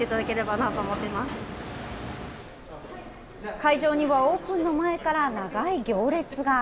会場にはオープンの前から長い行列が。